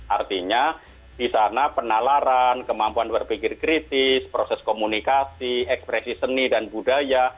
artinya di sana penalaran kemampuan berpikir kritis proses komunikasi ekspresi seni dan budaya